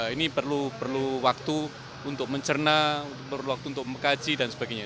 ini perlu waktu untuk mencerna perlu waktu untuk mengkaji dan sebagainya